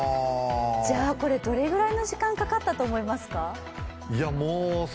じゃ、これ、どれぐらいの時間かかったと思いますか？